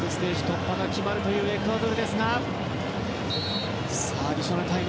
突破が決まるエクアドルですが。